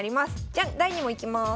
じゃ第２問いきます。